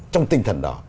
trong tinh thần đó